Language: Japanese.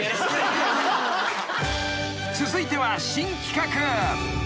［続いては新企画］